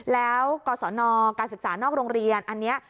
แล้วกศนการศึกษานอกโรงเรียนอันนี้